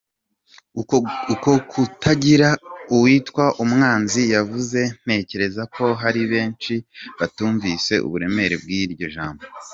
Uko kutagira uwitwa umwanzi yavuze, ntekeraza ko hari benshi batumvise uburemere bw’iryo jambo.